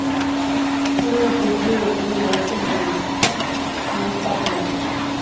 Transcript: Uno de los proyectiles golpeó el minarete de la Mezquita Muhammad.